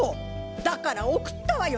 だから送ったわよ